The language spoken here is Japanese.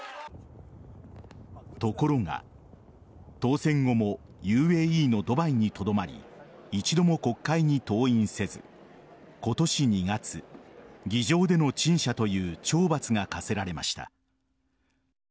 ところが当選後もＵＡＥのドバイにとどまり一度も国会に登院せず今年２月、議場での陳謝という懲罰が課せられました。